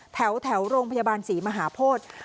แถวโรงพยาบาลศรีมหาโพธิ